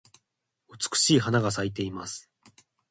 美しい花が咲いています。